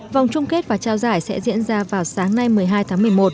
vòng chung kết và trao giải sẽ diễn ra vào sáng nay một mươi hai tháng một mươi một